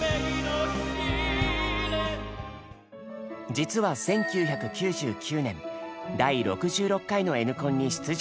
実は１９９９年第６６回の「Ｎコン」に出場した経験が。